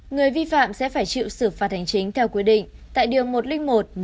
người vi phạm sẽ phải chịu xử phạt hành chính theo quy định tại điều một trăm linh một một trăm linh hai